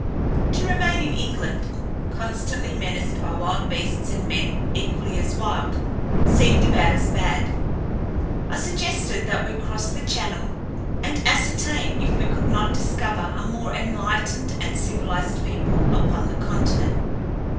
To remain in England, constantly menaced by wild beasts and men equally as wild, seemed about as bad. I suggested that we cross the Channel and ascertain if we could not discover a more enlightened and civilized people upon the continent.